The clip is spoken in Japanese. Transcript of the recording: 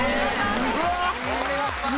すごい！